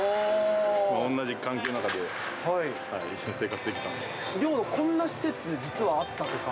おんなじ環境の中で、一緒に生活寮に、こんな施設が実はあったとか。